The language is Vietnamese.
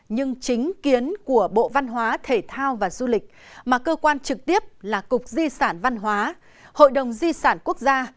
nhưng chính kiến của bộ văn hóa thể thao và du lịch mà cơ quan trực tiếp là cục di sản văn hóa hội đồng di sản quốc gia